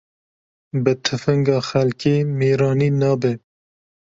Bi tifinga xelkê mêrani nabe